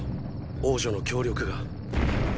王女の協力が。